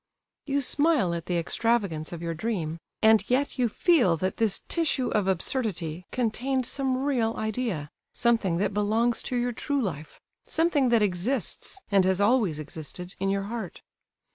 You smile at the extravagance of your dream, and yet you feel that this tissue of absurdity contained some real idea, something that belongs to your true life,—something that exists, and has always existed, in your heart.